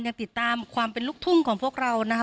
ยังติดตามความเป็นลูกทุ่งของพวกเรานะคะ